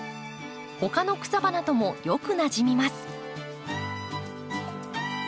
他の草花ともよくなじみます。